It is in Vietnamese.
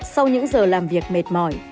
sau những giờ làm việc mệt mỏi